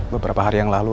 beberapa hari yang lalu